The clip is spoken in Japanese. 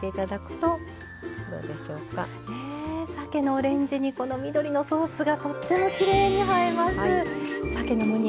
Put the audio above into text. えさけのオレンジにこの緑のソースがとってもきれいに映えます。